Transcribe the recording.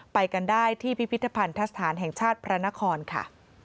ไปกันได้ที่พิพิธภัณฑสถานแห่งชาติพระนครค่ะ